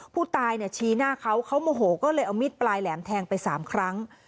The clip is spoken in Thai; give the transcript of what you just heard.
ผู้ตายเนี่ยชี้หน้าเขาเขาโมโหก็เลยเอามีดปลายแหลมแทงไป๓ครั้ง